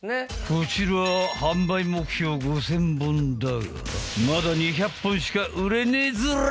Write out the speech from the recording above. こちらは販売目標５０００本だがまだ２００本しか売れねえずら！